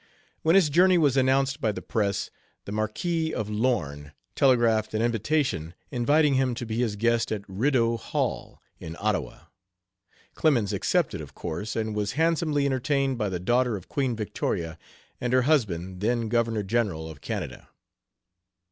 When his journey was announced by the press, the Marquis of Lorne telegraphed an invitation inviting him to be his guest at Rideau Hall, in Ottawa. Clemens accepted, of course, and was handsomely entertained by the daughter of Queen Victoria and her husband, then Governor General of Canada.